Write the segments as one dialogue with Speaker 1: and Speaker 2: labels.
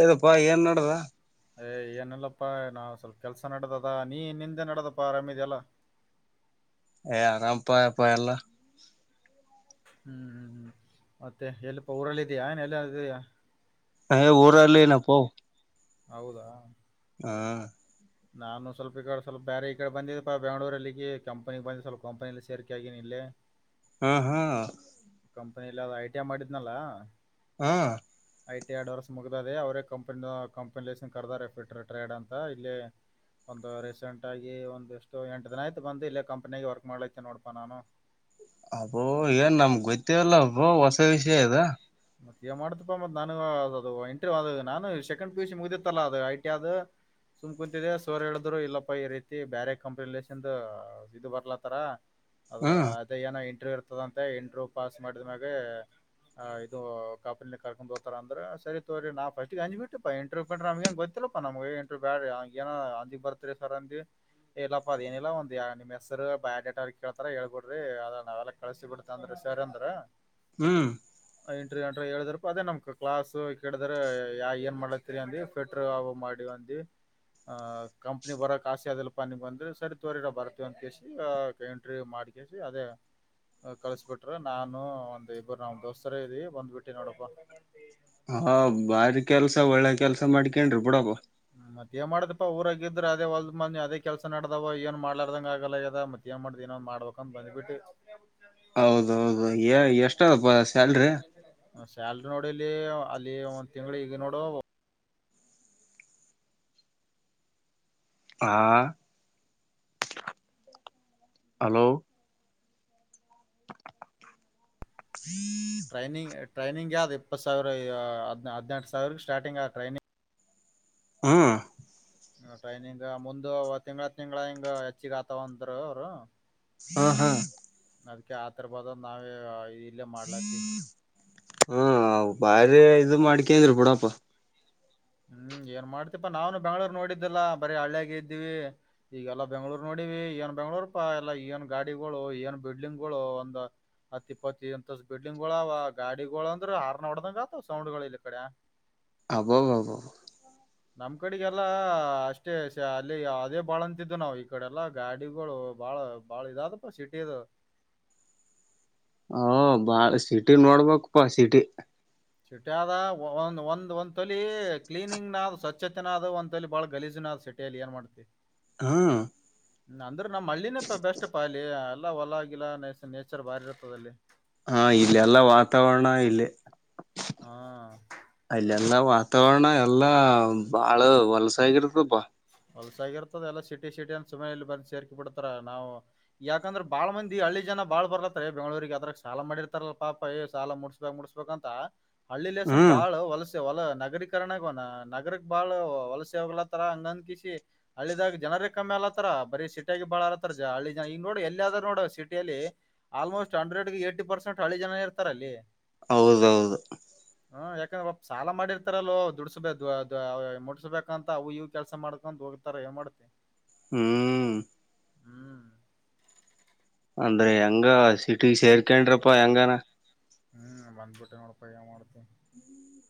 Speaker 1: ಎನಪ್ಪಾ ಏನ್ ನಡದದ್
Speaker 2: ಏ ಏನಿಲ್ಲಪ್ಪಾ ನಾ ಸ್ವಲ್ಪ ಕೆಲ್ಸಾ ನಡದದ ನೀ ನಿಂದ ಎನ್ ನಡದಪ್ಪಾ ಆರಾಮಿದಿ ಅಲ್ಲಾ
Speaker 1: ಏ ಆರಾಮಪ್ಪಾ ಏಪಾ ಎಲ್ಲಾ
Speaker 2: ಹುಂ ಹುಂ ಮತ್ತೆ ಎಲ್ಲಿಪಾ ಊರಲ್ಲಿ ಇದೆಯಾ ಏ ಎಲ್ಲಿ ಇದೀಯಾ
Speaker 1: ಹಾ ಊರಲ್ಲೆನಪ್ಪ
Speaker 2: ಹೌದಾ
Speaker 1: ಹಾ
Speaker 2: ನಾನು ಸ್ವಲ್ಪ ಈ ಕಡೆ ಸ್ವಲ್ಪ ಬೇರೆ ಈ ಕಡೆ ಬಂದಿದ್ದಪ್ಪಾ ಬೆಂಗಳೂರಲ್ಲಿ ಕಂಪ್ನಿಗೆ ಬಂದಿದ್ದ ಸ್ವಲ್ಪ ಕಂಪನಿಯಲ್ಲಿ ಸೇರಿಕೆ ಆಗೀಿ ಇಲ್ಲಿ
Speaker 1: ಹ್ಮ್ ಹ್ಮ್
Speaker 2: ಕಂಪನಿಲ್ಲಿ ಐ ಟಿ ಐ ಮಾಡಿದ್ನಲ್ಲ
Speaker 1: ಹಾ
Speaker 2: ಐ ಟಿ ಆರ್ಡ್ ವರ್ಸ್ ಮುಗ್ದದೆ ಅವರೇ ಕಂಪನಿ ಆ ಕಂಪನಿ ಲಸನ್ ಕರೆದಾರೆ ಫ ಟ್ರೇಡ್ ಅಂತ ಇಲ್ಲಿ. ಒಂದು ರೀಸೆಂಟಾಗಿ ಒಂದಿಷ್ಟು ಎಂಟು ದಿನ ಆಯತು ಬಂದು ಇಲ್ಲೇ ಕಂಪ್ನಿಗೆ ವರ್ಕ್ ಮಾಡ್ಲಿಕ್ಕೆ ನೋಡತನ್ ಅವನು
Speaker 1: ಅಬ್ಬೋ ಏನ್ ನಮ್ಗ್ ಗೊತ್ತೆಯಿಲ್ಲ ಅಬ್ಬೋ ಹೊಸ ವಿಷಯ ಇದು
Speaker 2: [inaudible] ಏ ಮಾಡ್ತಪ್ಪ ಮತ್ ನ ಅದು ಇಂಟರ್ ಅ ನಾನು ಸೆಕಂಡ್ ಪಿ ಯು ಸಿ ಮುಗಿತ್ತಲ್ಲಾ ಅದು ಐಟಿ ಅದು. ಸುಮ್ ಕುಂತಿದೆ ಸೋರ್ ಹೇಳಿದ್ರು ಇಲ್ಲಪ್ಪ ಈ ರೀತಿ ಬೇರೆ ಕಂಪನಿ ಇದು ಬರ್ಲತ್ತಾರ ಅದು
Speaker 1: ಹ್ಮ್
Speaker 2: ಅದೇ ಏನೋ ಇಂಟ್ರು ಇರ್ತದಂತೆ. ಬ್ರೋ ಪಾಸ್ ಮಾಡಿದ ಮ್ಯಾಗೇ. ಆ ಇದು ಕಾಪಿಲಿ ಕರ್ಕೊಂಡ್ ಹೋತಾರ ಅಂದ್ರ ಸರಿ ತೋರಿ ನಾ ಫರ್ಸ್ಟ್ಗೆ ಅಂಜ್ ಬಿಟುಪ್ಪ ಇಂಟ್ರವ್ಯೂ [unintelligible] ನಮಗೆಂನ್ ಗೊತ್ತಿಲ್ಲ. ಅ ನಮ್ಗೆ ಎಂಟ [unintelligible] ಏನೋ ಅಲ್ಲಿಗ್ ಬರ್ತಿರ ಸರ್ ಅಂದಿ. ಹೇ ಇಲ್ಲಪ್ಪಾ ಅದ ಏನಿಲ್ಲ ಒಂದ ಯ ನಿಮ್ಮ ಹೆಸರು ಬಯೋಡೇಟಾ ಕೇಳ್ತಾರ ಹೇಳ್ಬಿಡಿ ಅದ ನಾವೆಲ್ಲ ಕಳಸಿ ಬಿಡ್ತ ಅಂದ್ರೀ. ಸರ್ರಂದ್ರ.
Speaker 1: ಹ್ಮ್
Speaker 2: ಇನ್ನಟ್ರಿ ಅಂಟ್ರಿ ಹೇಳಿದರು ಅದೇ ನಮ್ಕಾ ಕ್ಲಾಸ್ [unintelligible] ಏನ್ ಮಾಡ [unintelligible] ಅವು ಮಾಡು ಅಂದಿ. ಆಹ್ ಕಂನಿ ಬರೋ ಕಾಸಿ [unintelligible] ಅಲ್ಪ ನಿ ಬಂದ್ರೆ ಸರಿ ತೋರಿರ ಬರ್ತೀವ ಅಂತ ಕಸಿ ಎಂಟ್ರಿ ಮಾಡ್ [unintelligible] ಅದೇ ಕಳಸಪಟ್ಟ ನಾನು ಒಂದ್ ಇಬ್ಬರು ನಮ್ ದೋಸ್ತರ ಇದಿ ಬಂದ್ಬ ಬಿಟ್ಟಿ ನೋಡಪ್ಪ
Speaker 1: ಹಾ ಬಾರಿ ಕೆಲ್ಸ ಒಳ್ಳೆ ಕೆಲ್ಸ ಮಾಡಿಕೇಂಡ್ರೂ ಬುಡಪ್ಪ
Speaker 2: ಅದೇ ಮಾಡೋಧಪ್ಪ ಊರಾಗಿದ್ರೆ ಅದೇ ಹೊಲ್ದಾ ಮನೆ ಅದೇ ಕೆಲಸ ನಡ್ದಾವ್ ಏನ್ ಮಾಡಲರದಂಗ ಆಗಲ್ಲ ಯಾದ [unintelligible] ಏನೋ ಮಾಡಬೇಕ ಅಂತ ಬಂದ್ಬಿಟಿ.
Speaker 1: ಹೌದೌದು ಏ ಎಷ್ಟಾಪ್ಪ ಸ್ಯಾಲರಿ.
Speaker 2: ನಾವ್ ಸ್ಯಾಲ್ರಿ ನೋಡಿಲ್ಲೆ ಅಲ್ಲಿ ಒಂದ್ ತಿಂಗಳ ಈಗ ನೋಡು.
Speaker 1: ಹಾ ಹಲೋ. [inaudible]
Speaker 2: ಟ್ರೈನಿಂಗ್ ಟ್ರೈನಿಂಗ್ ಅದ್ ಇಪ್ಪತ್ತುಸಾವಿರ ಹದಿನಾಲ್ಕು ಸಾವಿರ ಸ್ಟಾರ್ಟಂಗ ಆ ಟ್ರೈನಿಂಗ್.
Speaker 1: ಹ್ಮ್ಮ್
Speaker 2: ಹ ಟ್ರೇನಿಂದ ಮುಂದು ಒದ್ ತಿಂಗ್ಗಳ ತಿಂಗಳ ಹಿಂಗ ಹೆಚ್ಚಗ್ ಆತಾವಂದ್ರು ಅವರು.
Speaker 1: ಹಾ ಹಾ
Speaker 2: ಅದ್ಕ ಆತರ ಬಾದ ನಾವೇ ಇಲ್ಲೇ ಮಾಡ್ಲಾತಿ.
Speaker 1: ಹು ಅವ್ ಬಾರಿ ಇದು ಮಾಡ್ಕೇನ್ದ್ರು ಬಿುಡಪ್ಪ.
Speaker 2: ಹ್ಮ್ ಏನ್ ಮಾಡ್ತಿಪಾ ನಾನು ಬೆಂಗಳೂರು ನೋಡಿದ್ದಲ್ಲಾ ಬರೀ ಹಳ್ಳ್ಯಾಗ ಇದೀವಿ. ಈಗಲ್ಲಾ ಬೆಂಗ್ಳೂರ್ ನೋಡಿವಿ ಏನ್ ಬೆಂಗ್ಳೂರ್ಪಾ ಎಲ್ಲಾ ಏನ್ ಗಾಡಿಗಳು ಏನ್ ಬಿಲ್ಡಿಂಗ್ಗಳು ಒಂದ. ಅತ್ ಇಪ್ಪತ್ತ ಎಂಥದ್ ಬಿಲ್ಡಿಂಗ್ಗಳವ ಗಾಡಿಗಳಗಳು ಅಂದ್ರೆ ಹಾರ್ನ್ ನ ಹೊಡ್ದಂಗ ಆತವ ಸೌಂಡ್ಗಳು ಇಲ್ಲಿ ಕಡೆ.
Speaker 1: ಅಬ್ಬಾಬ್ಬಾ
Speaker 2: ನಮ್ ಕಡೆಗೆಲ್ಲಾ ಅಷ್ಟೇ ಶಾ ಅಲ್ಲಿ ಅದೇ ಬಾಳ ಅಂತಿದ್ದು ನಾವ್ ಈ ಕಡೆಲ್ಲಾ ಗಾಡಿಗಳು ಬಾಳ. ಬಾಳ ಇದಾದಪ್ಪ ಸಿಟಿ ಅದು.
Speaker 1: ಓ ಬಾಳ ಸಿಟಿ ನೋಡ್ಬೇಕಪ್ಪಾ ಸಿಟಿ.
Speaker 2: ಸಿಟ್ಟಿ ಆದ ಒ ಒಂದ್ ಒಂದ್ ಸಲಿ ಕ್ಲೀನಿಂಗ್ನ ಆದ್ ಸ್ವಚ್ಛತೆನದು ಒಂದ್ ಸಲಿ ಬಹಳ ಗಲೀಜನ ಆದ್ [unintelligible] ಏನ್ ಮಾಡ್ತಿ.
Speaker 1: ಹಾ
Speaker 2: ನಂದ್ರ ನಮ್ಮ ಹಳ್ಳಿನೇ ಬೆಸ್ಟ್ ಪಾ ಅಲ್ಲಿ ಎಲ್ಲ ಹೊಲ ಗಿಲ್ಲ ನೇಚರ್ ಬಾರಿ ಇರ್ತದಲ್ಲ.
Speaker 1: ಹಾ ಇಲ್ಲಿ ಎಲ್ಲ ವಾತಾವರಣ ಇಲ್ಲಿ
Speaker 2: ಹಾ
Speaker 1: ಅಲ್ಲಿ ಎಲ್ಲಾ ವಾತಾವರಣ ಎಲ್ಲಾ ಬಾಳ ವಲಸ ಆಗಿರ್ತ್ತಪ್ಪಾ.
Speaker 2: ಹೊಲ್ಸಾಗಿರ್ತದೆಲ್ಲ ಎಲ್ಲಾ ಸಿಟಿ ಸಿಟಿ ಅಂದ ಸುಮ್ಮ ಇಲ್ಲಿ ಬಂದ ಸೇರ್ಕ ಬಿಡ್ತಾರ ನಾವ ಯಾಕಂದ್ರ ಬಾಳ್ ಮಂದಿ ಹಳ್ಳಿ ಜನ ಬಾಳ್ ಬರ್ಲತ್ತಾರ ಬೆಂಗಳೂರಿಗ ಅದ್ರಗ ಸಾಲ ಮಾಡಿರ್ತಾರಲ್ಲ ಪಾಪ ಹೇ ಸಾಲ ಮುಡ್ಸ ಮುಡಸ್ಬೇಕಂತ ಹಳ್ಳಿ ಲೆಸನ್
Speaker 1: ಹ್ಮ್
Speaker 2: ಬಾಳ್ ವಲಸ ಹೊಲ ನಗರೀಕರನ ನಗರಕ್ ಬಾಳ್ ವಲಸ ಕಿಸಿ ಹಳ್ಳಿದಾಗ ಜನರ ಕಮ್ಮಿ ಅಲತ್ತಾರ ಬರೀ ಸಿಟಿಯಗಿ ಬಾಳ ಅಲತ್ತರ ಜ ಹಳ್ಳಿ ಜನ ಈಗ ನೋಡು ಎಲ್ಲಿ ಆದ್ರ ನೋಡ ಸಿಟಿಯಲ್ಲಿ ಆಲ್ಮೋಸ್ಟ್ ಹಂಡ್ರೆಗ ಏಟಿ ಪರ್ಸೆಂಟ್ ಹಳಿ ಜನ ಇರ್ತಾರ ಅಲ್ಲಿ.
Speaker 1: ಹೌದೌದ.
Speaker 2: [inaudible] ಹ್ಮ ಯಾಕಂದ್ರ ಒ ಸಾಲ ಮಾಡಿರ್ತಾರಲೋ ದುಡಸಬೇಕ ಮುಡಸ್ಬೇಕಂತ ಅವು ಇವ ಕೆಲಸ ಮಾಡ ತೊಂದ ಹೋಗತಾರ ಏನ ಮಾಡ್ತ.
Speaker 1: ಹ್ಮ
Speaker 2: ಹ್ಮ
Speaker 1: ಅಂದ್ರೆ ಹೆಂಗ ಸಿಟಿ ಸೇರ್ಕಡ್ರಪ್ಪಾ ಹೆಂಗಾನ
Speaker 2: ಹ್ಮ ಬಂದ್ಬಿಟ್ಟೆ ನೋಡ್ಪ ಏನ ಮಾಡ್ತಿ.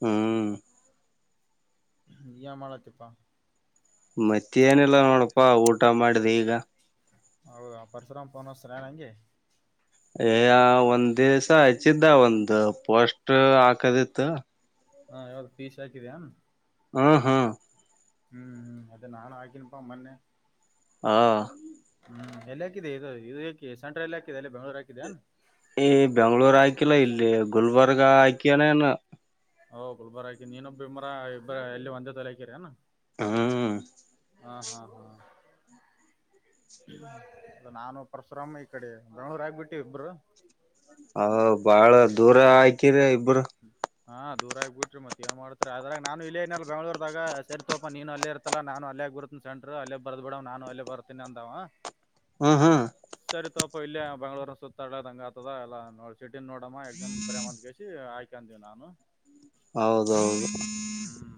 Speaker 1: ಹ್ಮ
Speaker 2: ಏನ ಮಾಡತಿಪ್ಪಾ
Speaker 1: ಮತ್ತ ಏನಿಲ್ಲ ನೋಡಪ್ಪಾ ಊಟ ಮಾಡಿದ ಈಗ
Speaker 2: ಹೌದ ಪರಿಶುರಾಮ ಪೋನ್ತ ಹಚ್ತಿರಾ ಹಂಗೆ
Speaker 1: ಏ ಆ ಒಂದ ದಿವ್ಸ ಹಚ್ಚಿದ್ದ ಒಂದ್ ಪೋಸ್ಟ್ ಹಾಕದಿತ್ತು.
Speaker 2: ಹಾ ಯಾವದ ಫೀಸ್ ಹಾಕಿದ್ಯನ.
Speaker 1: ಹಾ ಹಾ
Speaker 2: ಹ್ಮ ಹ್ಮ ಅದೇ ನಾನು ಹಾಕನಪ್ಪಾ ಮೊನ್ನೆ
Speaker 1: ಹಾ
Speaker 2: ಹ್ಮ ಎಲ್ಲಿ ಹಾಕಿದ ಇದು ಇದು ಹಕ ಸೆಟ್ರಲ್ ಯಾದೆ ಎಲ್ಲ ಬೆಂಗಳೂರು ಹಾಕಿದೆಯನ.
Speaker 1: ಈ ಬೆಂಗ್ಳೂರ ಹಾಯ್ಕಿಲ್ಲಾ ಇಲ್ಲಿ ಗುಲ್ಬರ್ಗ ಆಯಕ್ಯನೇನು.
Speaker 2: ಅವ ಗುಲ್ಬರ ಹಾಕ್ಯನ ನೀನ ಬಿಮ್ಮರ ಇಬ್ಬರ ಎಲ್ಲಿ ಒಂದೇ ತಲೆ ಹಾಕಿರಿ ಅನಾ.
Speaker 1: ಹ್ಮ
Speaker 2: ಹಾ ಹಾ ಹಾ ಅ ನಾನು ಪರಶುರಮ್ಮ ಈ ಕಡೆ ಬೆಣೂರ ಆಗ್ಬಿಟ್ಟು ಇಬ್ಬರು.
Speaker 1: ಹ ಬಾಳ ದೂರ ಆಕಿರಿ ಇಬ್ಬರು.
Speaker 2: ಹ್ಮ ಹಾ ದೂರಗಿ ಬಿಟ್ರಿ ಮತ್ತ ಏನ ಮಾಡತರಿ ಅದ್ರ ನಾನು ಇಲ್ಲೇನ ಬೆಂಗಳೂರದಾಗ ಸರಿ ತೋಪ್ಪ ನೀನು ಅಲ್ಲ ಇರತಲ್ಲ ನಾನು ಅಲ್ಲ ಹಾಕ ಬರತ್ತೆ. ಸಂಟರ್ ಅಲ್ಲೇ ಬರ್ದ ಬಿಡವ ನಾನು ಅಲ್ಲ ಬರ್ತೀನ ಅಂದವ.
Speaker 1: ಹ್ಮ ಹ್ಮ
Speaker 2: ಸರಿ ತೋಪ ಇಲ್ಲೇ ಬಂಗಳೂರ ಸುತ್ತಾಡದ ಹಂಗ ಆತದ ಎಲ್ಲ ನೋಡ್ ಚಟಿನ್ ನೋಡಮ್ಮ ಎಕ್ಸಾಮ್ ಬರ್ಯವ ಅಂದ ಕಸಿ ಆಯ್ಕ ಅಂತೀವ ನಾನು.
Speaker 1: ಹೌದೌದ.
Speaker 2: ಹ್ಮ್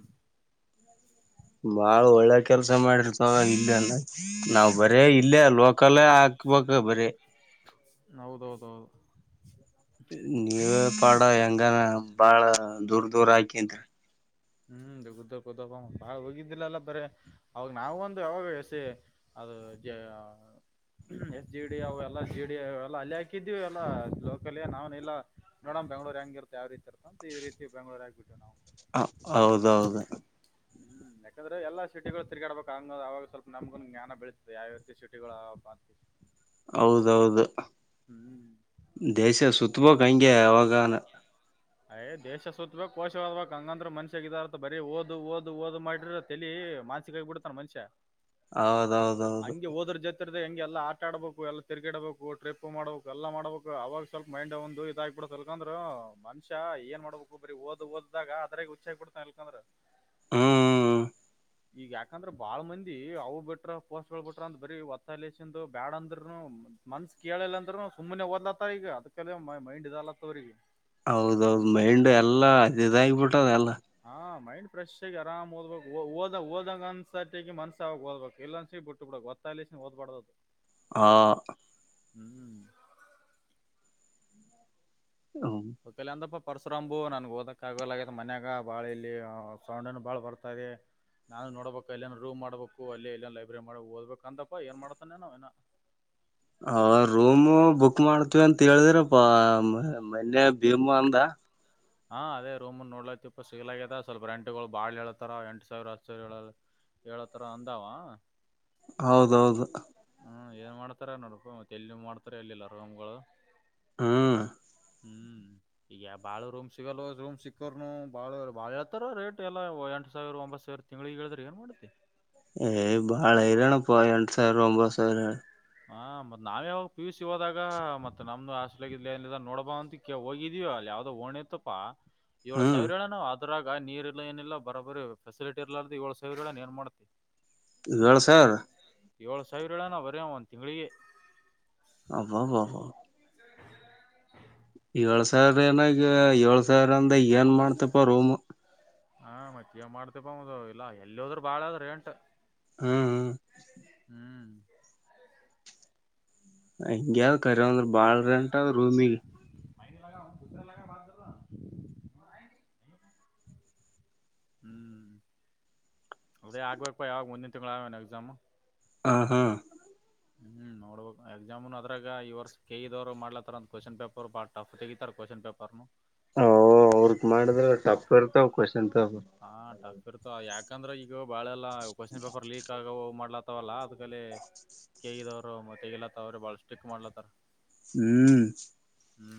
Speaker 1: ಬಾಳ ಒಳ್ಳೆ ಕೆಲ್ಸ ಮಾಡಿರಪಾ ಇಲ್ಲ ಅಲ್ಲ. ನಾವ ಬರೇ ಇಲ್ಲೇ ಲೋಕಲ್ಲ ಹಾಕ್ಬೇಕ ಬರೀ.
Speaker 2: ಹೌದೌದೌದು
Speaker 1: ನೀವೇ ಪಾಡ ಹೆಂಗನ ಬಾಳ ದೂರ್ ದೂರ ಹಾಕ
Speaker 2: ಹ್ಮ್ಗುದ್ದ ಕುದ್ದಪ್ಪ ಬಾಳ ಹೋಗಿದ್ದಿಲ್ಲಲ್ಲಾ ಬರ ಅವಾಗ ನಾವ ಒಂದು ಯಾವಾಗಸ ಅದು ಎಸ್ ಜಿ ಡಿ ಅವ ಎಲ್ಲಾ ಜೆ ಡಿ ಎಲ್ಲ ಅಲ್ಲಿ ಹಾಕಿದ್ವಿ ಎಲ್ಲಾ ಲೋಕಲ್ಯ ನಾವನ್ಲ್ಲ ನೋಡಮ ಬೆಂಗ್ಳೂ ಹೆಂಗ ಇತ ಯಾವ ರೀತಿರ್ತಂತ ಈೀತಿ ಬೆಂಗಳೂರ್ ಆಗ್ಬ ಬಿಟ್ಟ ನವು
Speaker 1: ಹೌದೌದು
Speaker 2: ಹ್ಮ್ ಯಾಕಂದ್ರೆ ಎಲ್ಲ ಸಿಟಿಗಳು ತಿರ್ಗಾಡ್ಬೇಕಕ್ ಅಂಗ ಅವಾಗ ಸ್ವಲ್ಪ ನಮಗನ್ ಜ್ಞಾನ ಬೀಳತದೆ ಯಾವ ರೀತಿ ಸಿಟಿಗಳ ಅದಾವಂತ
Speaker 1: ಹೌದೌದು
Speaker 2: ಹ್ಮ್ ಹ್ಮ ಹ್ಮ
Speaker 1: ದೇಶ ಸುತ್ತಬೋಕ್ ಹಂಗೆ ಅವಾಗಾನ
Speaker 2: [unintelligible] ಅಯ್ ದೇಶ ಸುತ್ತಬೇಕಕ್ ಕೋಶವ್ಬೇಕಕ್ ಹಂಗಂದ್ರ ಮನ್ಷ್ಯಾಗ ಇದಾರಥ ಬರೀ ಓದು ಓದು ಓದ ಮಾಡ್ರ ತಲಿ ಮಾನ್ಸ ಮಾನಸಿಕ ಹಾಗೆ ಬಿಿಡ್ತಾನ ಮನುಷ್ಯ
Speaker 1: ಹೌದೌದೌದು
Speaker 2: ಹಂಗೆ ಹೋದ್ರ ಜೊತೆ ಹೆಂಗೆ ಎಲ್ಲ ಆಟ ಆಡಬೇಕು ಎಲ್ಲ ತಿರುಗಿಡಬೇಕು ಟ್ರಿಪ್ ಮಾಡಬೇಕು ಎಲ್ಲ ಮಾಡಬೇಕು ಅವಾಗ ಸ್ವಲ್ಪ ಮೈಂಡ್ ಒಂದು ಇದ ಆ್ಬಡು ಸಲ್ಕಂದ್ರ ಮನುಷ್ಯ ಏನ್ ಮಾಡ್ಬೇಕು ಬ್ರಿ ಓದ್ ಓದ್ದಾಗ ಅದ್ರಗ್ ಹುಚ್ಚಾಗಿ ಬೀಡ್ತಾನ ಇಲ್ಕಂದ್ರ.
Speaker 1: ಹಾ
Speaker 2: ಈಗ ಯಾಕಂದ್ರ ಬಾಳ್ ಮಂದಿ ಅವು ಬಿಟ್ರ ಪೋಸ್ಟ್ ಗಳು ಬಿಟ್ರ ಅಂತ ಬರೀ ಒತ್ತಾಸಂದು ಬ್ಯಾಡ ಅಂದ್ರನು. ಮನ್ಸ್ ಕೇಳಿಲ್ಲ ಅಂದ್ರ ಸುಮ್ಮನೆ ಓದ್ಲತ್ತ ಈಗ ಅದ್ಲ್ಲಿ ಮೈಂಡ್ ಇದ್ದಲತ್ತವ್ರಿಗೆ.
Speaker 1: ಹೌದೌದು ಮೈಂಡ್ ಎಲ್ಲ ಇದಾಗಿಬಿಟ್ಟದೆ ಎಲ್ಲ.
Speaker 2: ಹಾ ಮೈಂಡ್ ಫ್ರೆಶ್ ಆಗ ಆರಾಮ್ಓದ್ಬೇಕ ಓದಓದಂಗ ಅನ್ಸರ್ಟಗ ಮನ್ಸ್ಸ ಆಾಗ ಓದ್ಬೇಕ ಇಲ್ಲ ಅಂದಸ ಬಿಟ್ಟು ಬಿಡಕ್ತ್ತ. ಒತ್ತಾಯಿಸಿ ಓದ ಬಾರದ
Speaker 1: ಹಾ
Speaker 2: ಹ್ಮ್
Speaker 1: ಹ
Speaker 2: ಕಲ ಅಂದಪ್ಪ ಪರ್ಸ್ರಂಬು ನನ್ಗ್ ಓದಕ್ ಆಗಲ ಆಗೈತ್ ಮನ್ಯಾಗ ಬಾಳ ಇಲ್ಲಿ ಸೌಂಡ್ನ್ ಬಾಳ್ ಬರ್ತದೆ. ನಾನು ನೋಡ್ಬೇಕ ಅಲ್ಲಿೇನ್ ರೂಮ್ಬೇಕು ಅಲ್ಲಿ ಇಲ್ಲಿನ್ ಲೈಬ್ರರಿ ಮಾಡ ಓದ್ಬೇಕ ಅಂತಾ ಏನ್ ಮಾಡ್ತಾನೇ ನೋ ಏ.
Speaker 1: ಅವ ರೂಮ್ ಬುಕ್ ಮಾಡ್ತಿವಿ ಅಂತ ಹೇಳಿದ್ರ ಪ ಮೊನ್ನೆ ಭೀಮು ಅಂದ.
Speaker 2: ಹಾ ಅದೇ ರೂಮ್ ನೋಡ್ಲತಿ ಇಪ್ಪ ಸಿಗ್ಲಾಗದ ಸ್ವಲ್ಪ ರೆಂಟ್ ಗಳು ಬಾಳ ಹೇಳಳ್ತಾರ ಎಂಟು ಸಾವಿರ ಹತ್ತ ಸಾವಿರ ಹೇಳ. ಹೇಳತ್ರ ಅಂದಾವ
Speaker 1: ಹೌದೌದು
Speaker 2: ಹ್ಮ್ ಏನ್ ಮಾಡ್ತಾರ ನೋಡಪ್ಪ ಮತ್ತೆ ಎಲ್ಲಿ ಮಾಡ್ತಾರ ಎಲ್ಲಿಲ್ಲ ರೂಮ್ಗೋಳು.
Speaker 1: ಹಾ
Speaker 2: ಹ್ಮ್ ಈಗ ಬಾಳ ರೂಮ್ ಸಿಗಲ್ ರೂಮ್ ಸಿಕ್ಕೋರ್ನು ಬಾಳ ಬಾಳ ಹೇತಾರ ರೇಟ್ ಎಲ್ಲಾ ಎಂಟು ಸಾವಿರ ಒಂಬತ್ತು ಸಾವಿರ. ತಿಂಗಳಿಗೆ ಹೇಳ್ದ್ರ ಏನ ಮಾಡುತ್ತೆ
Speaker 1: ಏಯ್ ಬಾಳ ಹೈರಾನಪ ಎಂಟು ಸಾವಿರ ಒಬಂತು ಸಾವಿರ.
Speaker 2: ಹ ಮತ್ ನಾವ ಯಾವಾಗ ಪಿ ಯು ಸಿ ಹೋದಾಗ ಮತ್ತೆ ನಮ್ದು ಹಾಸ್ಟೆಲ್ ಇ ಏನಿಲ್ಲ ನೋಡಬಾ ಅಂತ. ಹೋಗಿದೀವಿ ಅ ಯಾವ್ದೋ ಓಣೆಪ್ಪಾ ಏಳು
Speaker 1: ಹ್ಮ್
Speaker 2: ಸಾವಿರ ಹೇಳೇನು ಅದ್ರಾಗ ನೀರ್ ಇಲ್ಲ ಏನಿಲ್ಲ ಬರ ಬರಿ ಫಸಿಲಿಟಿ ಇರಲಾರದೆ ಏಳ್ ಸಾವಿರ ಹೇಳಯನ್ ಎನ್ ಮಾಡ್ತಿ.
Speaker 1: ಏಳ ಸಾವಿರ.
Speaker 2: ಏಳು ಸಾವಿರ ಹೇಳೋಣ ನಾವು ಬರೇ ಒಂದು ತಿಂಳಿಗೆ.
Speaker 1: ಅಬ ಅಬ ಬ.
Speaker 2: [unintelligible]
Speaker 1: ಏಳು ಸಾವಿರ ಏನಾಗ ಏಳು ಸಾವಿರ ಅಂದ ಏನು ಮಾಡ್ತಪ್ಪ ರೂಮ್.
Speaker 2: ಹಾ ಮತ್ತೇನ ಮಾಡ್ತಿಪ ಮತ್ತ ಇಲ್ಲ ಎಲ್ಲಿ ಹೋದ್ ಬಾಳ ಅದ ರೆಂಟ್
Speaker 1: ಹ
Speaker 2: ಹ್ಮ
Speaker 1: ಹಂಗೆ ಕರಿ ಅಂದ್ರ ಬಾಳ್ ರೆಂಟವ ರೂಮಿಗ
Speaker 2: [unintelligible] ಹ್ಮ ಅಡೇ ಆಗ್ಬೇಪಾ ಯಾವಾಗ ಮುಂದಿನ ತಿಂಗಳ ಆಗ ಎಕ್ಸಾಮ್.
Speaker 1: ಹಾಂ ಹಾಂ
Speaker 2: ಹ್ಮ ನೋಡ್ಬೇಕ ಎಕ್ಸಾಮನು ಅದ್ರಾಗ ಈ ವರ್ಷ ಕೆಇ ದವ್ರು ಮಾಡ್ತಾರಂತ ಕ್ವೆಶ್ಚನ್ ಪೇಪರ್ ಬಾ ಟಫ್ ತೆಗಿತರ ಕ್ವಶನ್ ಪೇಪರ್. ಪರ್
Speaker 1: ಓ ಅವ್ರಗ ಮಾಡಿದ್ರ ಟಫ ಇರ್ತಾವ ಕ್ವಶನ್ ಪೇಪರ್.
Speaker 2: ಹಾ ಟಫ್ ಇರ್ತ ಯಾಕಂದ್ರ ಈಗ ಬಾಳೆಲ್ಲ ಕ್ವೆಶ್ನ್ ಪೇಪರ್ ಲೀಕ್ ಆಗವ ಮಾಡ್ಲತ್ ತವಲ್ಲ ಅದ್ಕಲ್ಲೇ ಕೆ ಇ ದಾವ್ರು ಮತ್ತೆ ತೆಗಿಲತವ್ರಿ ಬಾಳ ಸ್ಟಿಕ್ ಮಾಡ್ಲತ್ತಾರ.
Speaker 1: ಹ್ಮ
Speaker 2: ಹ್ಮ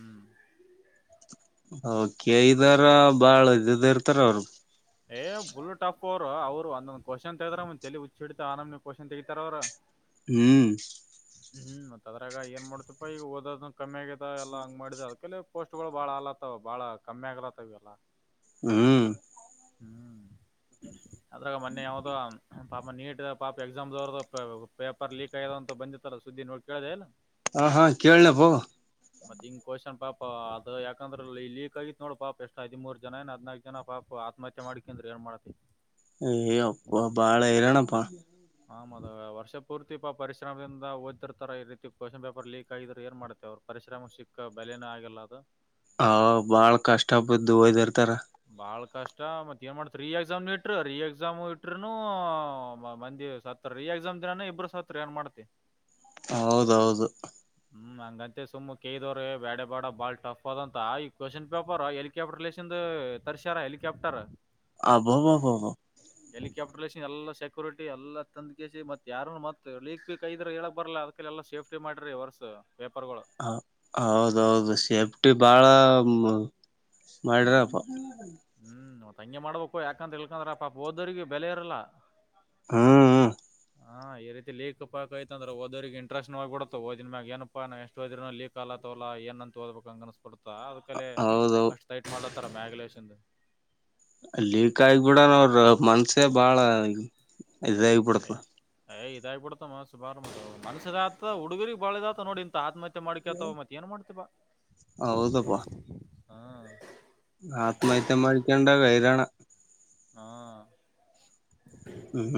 Speaker 1: ಕೆ ಇ ದವ್ರ ಬಾಳ ಇದ ಇರ್ತಾರ ಅವ್ರ
Speaker 2: ಏ ಬುಲ್ ಟಫ್ ಅವರ ಅವ್ರ ಒಂದೊಂದ ಕ್ವೆಶ್ಚನ್ ತೆಗೆದರ ತಲಿ ಹುಚ್ಚಡತ ಆ ನಮನ ಕ್ವಶ್ನ್ ತೆಗಿತಾರ ಅವರ. [inaudible]
Speaker 1: ಹ್ಮ
Speaker 2: [inaudible] ಹ್ಮ ಮತ್ತ ಅದ್ರಾಗ ಏನ್ ಮಾಡ್ತಿಪ್ಪ ಈಗ ಓದೋದ ಕಮ್ಮಿ ಆಗತ ಎಲ್ಲ ಹಂಗ ಮಾಡಿದ ಅದಕಲ್ಲಿ ಪೋಸ್ಟ್ಗಳು ಬಾಳ ಆಲತ್ತವ ಭಾಳ. ಕಮ್ಮಿ ಆಗ್ಲತ್ತವಲ್ಲ ಈಗ ಎಲ್ಲಾ
Speaker 1: ಹ್ಮ
Speaker 2: ಹ್ಮ ಅದ್ರಾಗ ಮನ್ನೆ ಯಾವ್ದೋ ಪಾಪ ನೀಟ್ ಪಾಪ ಎಕ್ಸಾಮ್ವರ್ದ ಪೇಪರ್ ಲೀಕ್ ಆಯಾವ ಅಂತ ಬಂದಿತ್ತಾರ ಸುದ್ದಿ ನೋಡ್ ಕೇಳ್ದ ಇಲ್ಲ.
Speaker 1: ಹ ಹಾ ಕೇಳ ಬೋ
Speaker 2: [inaudible] ಮತ್ತ ಹಿಂಗ ಕ್ವಷನ್ ಪಾಪ ಅದ ಯಾಕಂದ್ರ ಈ ಲೀಕ್ ಆಗಿತ ನೋಡ್ ಪಾಪ ಎಷ್ಟ್ ಹದಿಮೂರು ಜನ ಏ ಹದಿನಾಲ್ಕ ಜನ ಪಾಪ ಮಚ್ಚೆ ಮಾಡಿ ಅಂದ್ರ ಏನ್ ಮಾಡ್ತಿ.
Speaker 1: ಎ ಯಪ್ಪ ಬಾಳ ಇನಪ್ಪಾ
Speaker 2: ಹ ಮಧ ವರ್ಷ ಪೂರ್ತಿ ಪರಿಶ್ರಮದಿಂದ ಓದ್ತಿರ್ತಾರ ಈ ರೀತಿ ಕಶನ್ ಪೇಪರ್ ಲೀಕ್ ಆಗಿದ್ರ ಏನ್ ಮಾಡ್ತ ಅವರ ಪರಿಶ್ರಮ ಸಿಕ್ಕ ಬೆಲೆನ ಆಗಲ್ಲ ಅದ.
Speaker 1: ಹ ಬಾಳ ಕಷ್ಟ ಬಿದ್ದ ಓದಿರ್ತಾರ.
Speaker 2: ಬಾಳ ಕಷ್ಟ ಮತ್ತ ಏನ್ ಮಾಡ್ತ್ರೀ ಎಕ್ಸಾಮ್ ಇಟ್ಟ್ರ ರೀ ಎಕ್ಸಾಮ್ ಇಟ್ರುನು ಮಂದಿ ಸತ್ ರೀ ಎಕ್ಸಾಮ್ ದಿನಾನ ಇಬ್ಬರ ಸತ್ರ ಏನ್ ಮಾಡ್ತಿ.
Speaker 1: ಹೌದ ಹೌದ.
Speaker 2: ಹ್ಮ ಹಂಗಂತ ಸುಮ್ಮ ಕೆದವ್ರೆ ಬ್ಯಾಡ ಬೇಡ ಬಾಳ ಟಪ್ ಆದ ಅಂತ ಈ ಕ್ವಶನ್ ಪೇಪರ್ ಹೆಲಿಕಾಪ್ಟರ್ ಲೇಸಿಂದ ತರ್ಷರ ಹೆಲಿಕಾಪ್ಟರ್
Speaker 1: ಅಬ್ಬ ಅಬ ಬ ಬ
Speaker 2: ಹೆಲಿಕಾಪ್ಟರ್ ಲಿಸಿ ಎಲ್ಲ ಸೆಕ್ಯೂರಿಟಿ ಎಲ್ಲ ತಂದ ಕೆಸಿ ಮತ್ತ ಯಾರು ಮತ್ತ ಲೀಕ ಗಿಕ ಆಗಿದ್ರ ಹೇಳಕ್ ಬರ್ಲ್ಲ. ಎಲ್ಲಾ ಸೇಫ್ಟಿ ಮಾಡಿರಿ ವರ್ಸ್ ಪೇಪರ್ಗಳು.
Speaker 1: ಹ ಹೌದೌದ ಸೇಫ್ಟಿ ಬಾಳ ಮ ಮಾಡ್ರಪ್ಪ
Speaker 2: ಹ್ಮ ಅತ್ತ ಹಂಗೆ ಮಾಡ್ಬೇಕು ಯಾಕಂತೇಳ್ಕೊಂಡ್ರ ಪಾಪ ಓದರಿಗೆ ಬೆಲೆ ಇರಲ್ಲ.
Speaker 1: ಹ್ಮ್ ಹ್ಮ್.
Speaker 2: ಹಾ ಏರಿದಿಲ್ಲೆ ಲೀಕ್ ಪಾಕ್ ಐತಂದ್ರ ಹೊದೋರಿಗ ಇಂಟರಸ್ಟ್ನು ಆಗ್ ಬಿಡುತ್ತ ಓದಿದ ಮ್ಯಾಗ ಏನಪ್ಪಾ ನಾವೆಷ್ಟ ಓದಿರನು ಅಲ್ಲಿ ಲಿಕ್ ಆಲತವಲ ಏನ್ಂತ ಓದಬೇಕ್ ಹಂಗ್ ಅನಸ್ ಬಿಡತ್ತ ಅದಕಲೆ
Speaker 1: ಹೌದೌ
Speaker 2: ಅಷ್ಟ್ ಟೈಟ್ ಮಾಡ್ಲತರ ಮ್ಯಾಗಲೇಸಿಂದ್.
Speaker 1: ಲೀಕ್ ಆಗ್ ಬಿಡಲವ್ರ ಮನ್ಸ್ ಏ ಬಾಳ ಇದಾಗಿ
Speaker 2: ಏ ಏ ಇದಾಗಬುಡ್ತ ಮನಸ್ ಬಾರ [unintelligible] ಮನ್ಸ ಇದ ಆತದ ಹುಡುಗುರಿಗ್ ಬಾಳ ಇದ ಆತದ ನೋಡ ಇಂತ ಆತ್ಮ ಹತ್ತೆ ಮಾಡ್ಕ್ಯತವ ಮತ್ತ ಏನ ಮಾಡ್ತಿ ಬಾ
Speaker 1: ಹೌದಪ್ಪ.
Speaker 2: ಹಾ
Speaker 1: ಆತ್ಮಹತ್ಯೆ ಮಾಡಿಕ್ಯಂವ ಹೈರಾಣ.
Speaker 2: ಹಾ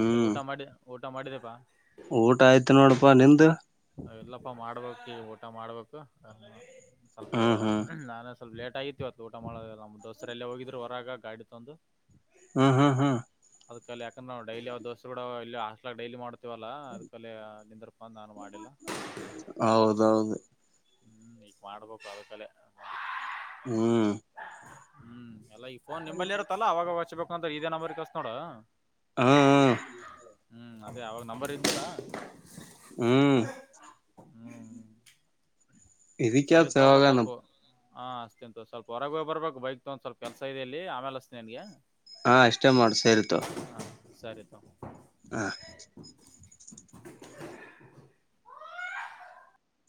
Speaker 2: ಮತ್ತೆ ಊಟ ಮಾಡಿ ಊಟ ಮಾಡಿದ್ಯಪ್ಪಾ
Speaker 1: ಊಟ ಆಯ್ತು ನೋಡಪಾ ನಿಂದ.
Speaker 2: ಎ ಇಲ್ಲಪ್ಪ ಮಾಡ್ಬೇಕ್ ಈಗ ಊಟ ಮಾಡ್ಬೇಕು ನನ್ನು ಸ್ವಲ್ಪ
Speaker 1: ಹ್ಮ್ ಹ್ಮ್
Speaker 2: ನಾನೆ ಸು ಸ್ವಲ್ಪ ಲೇಟ್ ಆಗಿತಿವತ್ ಊಟ ಮಾಡ ನಮ್ಮ್ ದೋಸ್ತೂರು ಎಲ್ಲೇ ಹೋಗಿದ್ರು ಹೊರಾಗ ಗಾಡಿ ತೊಂದು.
Speaker 1: ಹ್ಮ ಹಾ ಹಾ ಹಾ
Speaker 2: ಅದಕಲೆ ಯಾಕಂದ್ರ ನಾವ್ ಡೈಲಿ ಅವ್ರ ದೋಸ್ತೂರ ಗುಡಾ ಇಲ್ಲೆ ಹಾಸ್ಟೆಲ್ ಡೈಲಿ ಮಾಡತಿವಲ್ಲ ಅದಕಲೆ ಅ ನಿಂದರಪ ನಾ ಮಾಡಿ
Speaker 1: ಹೌದೌದ.
Speaker 2: ಹ್ಮ್ ಈಗ್ ಮಾಡ್ಬೇಕು ಅದಕಲೆ.
Speaker 1: ಹ್ಮ್.
Speaker 2: ಹ್ಮ್ ಎಲ್ಲ ಈ ಫೋನ್ ನಿಂಬಲ್ಲೆ ಇರತ್ತಲ್ಲ ಅವಾಗ ಅವಗ್ ಹಚ್ಬೇಕ ಅಂತ ಇದೇ ನಂಬರ್ ಹಸ್ತ ನೋಡ.
Speaker 1: ಹ್ಮ್
Speaker 2: ಹ್ಮ್ ಅದೇ ಅವಾಗ ನಂಬರ್ ಇದ್ದಿಲ್ಲ.
Speaker 1: ಹ್ಮ್.
Speaker 2: ಹ್ಮ್ ಸರಿ
Speaker 1: ಇದಕ್ಕೆಲ್ಸ
Speaker 2: ತೋ ಬಾ
Speaker 1: ಯಾವಾಗನ
Speaker 2: ಸ್ವಲ್ಪ ಹಾ ಹಸ್ತಿನಿ ತೋ ಸ್ವಲ್ಪ ಹೊರಗ ಹೋಗ್ ಬರ್ಬೇಕ ಬೈಕ್ ತೊಗೊಂಡ ಸ್ವಲ್ ಕೆಲ್ಸ ಇದೆ ಇಲ್ಲಿ ಆಮ್ಯಾಲ ಹಸ್ತಿನಿ ನಿನ್ಗೆ.
Speaker 1: ಹಾ ಅಷ್ಟೇ ಮಾಡ ಸರಿ ತೋ.
Speaker 2: ಹಾ ಸರಿ ತೋ.
Speaker 1: ಹಾ.